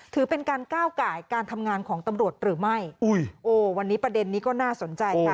ถือเป็นการก้าวไก่การทำงานของตำรวจหรือไม่อุ้ยโอ้วันนี้ประเด็นนี้ก็น่าสนใจค่ะ